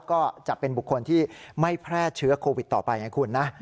ก็จะเป็นบุคคลที่ไม่แพร่เชื้อโควิดต่อไปไงคุณนะ